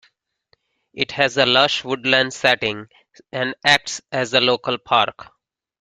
It has a lush woodland setting, and acts as a local park.